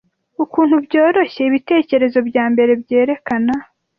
Ukuntu byoroshye Ibitekerezo byambere byerekana,